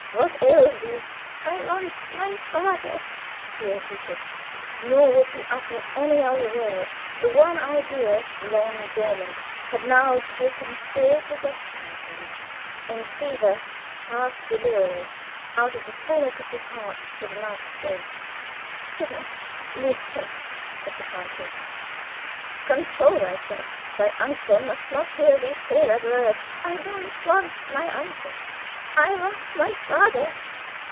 What ails thee?" "I want my father!" he repeated. Nor would he utter any other word. The one idea, long dormant, had now taken full possession of him; in fever, half delirious, out of the fullness of his heart his mouth spake. "Sigmund, Liebchen," said the countess, "control thyself. Thy uncle must not hear thee say that word." "I don't want my uncle. I want my father!"